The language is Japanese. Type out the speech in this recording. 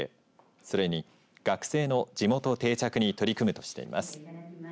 それに、学生の地元定着に取り組むとしています。